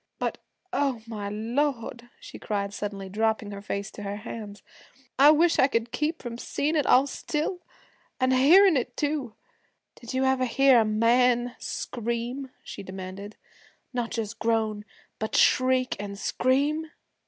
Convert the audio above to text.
But, oh, my Lord!' she cried suddenly, dropping her face to her hands, 'I wish I could keep from seein' it all still an' hearin' it too! Did you ever hear a man scream?' she demanded. 'Not just groan, but shriek, an' scream?'